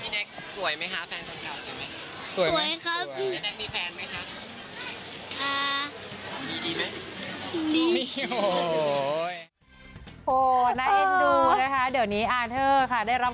แน็กสวยไหมคะแฟนส่วนเก่าเจอไหม